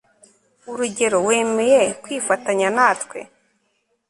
urugero, wemeye kwifatanya natwe